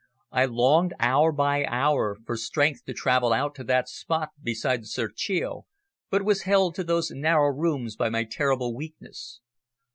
I longed hour by hour for strength to travel out to that spot beside the Serchio, but was held to those narrow rooms by my terrible weakness.